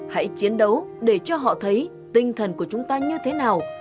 hãy chiến đấu để cho họ thấy tinh thần của chúng ta như thế nào